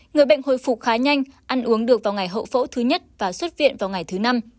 người bệnh hồi phục khá nhanh ăn uống được vào ngày hậu phẫu thứ nhất và xuất viện vào ngày thứ năm